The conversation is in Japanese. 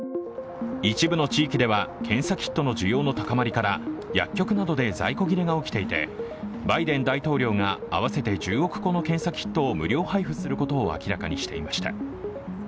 一部の地域では検査キットの需要の高まりから薬局などで在庫切れが起きていて、バイデン大統領が合わせて１０億個の検査キットを無料配布することを明らかにしていました。